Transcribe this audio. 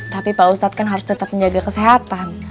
tapi pak ustadz kan harus tetap menjaga kesehatan